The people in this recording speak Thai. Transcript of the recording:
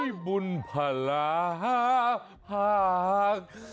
ให้บุญภาระภาค